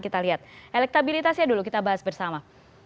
kita lihat elektabilitasnya dulu kita bahas bersama